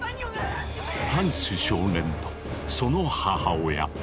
ハンス少年とその母親。